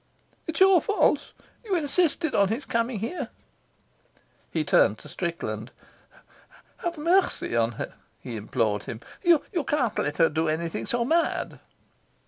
"It's your fault. You insisted on his coming here." He turned to Strickland. "Have mercy on her," he implored him. "You can't let her do anything so mad."